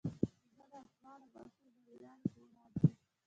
زه نا توانه ماشوم د لویانو په وړاندې.